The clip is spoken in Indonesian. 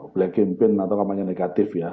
black campaign atau kampanye negatif ya